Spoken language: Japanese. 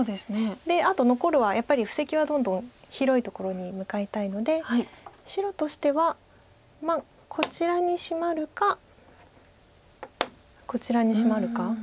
であと残るはやっぱり布石はどんどん広いところに向かいたいので白としてはこちらにシマるかこちらにシマるか。